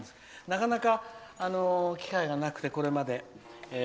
なかなか機会がなくて、これまで。